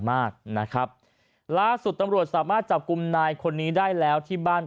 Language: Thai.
มากนะครับล่าสุดตำรวจสามารถจับกลุ่มนายคนนี้ได้แล้วที่บ้าน